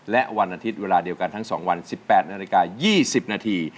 และวันอาทิตย์เวลาเดียวกันทั้ง๒วัน๑๘นาฬิกา๒๐นาที